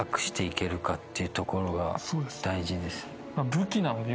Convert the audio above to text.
武器なんで。